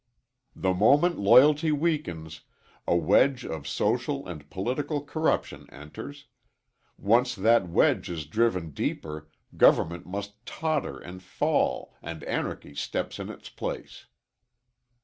The moment loyalty weakens, a wedge of social and political corruption enters; once that wedge is driven deeper government must totter and fall, and anarchy steps in its place.